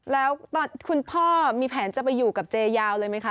แล้วตอนคุณพ่อมีแผนจะไปอยู่กับเจยาวเลยไหมคะ